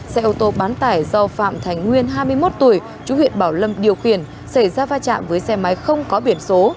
xe ô tô bán tải do phạm thành nguyên hai mươi một tuổi chú huyện bảo lâm điều khiển xảy ra va chạm với xe máy không có biển số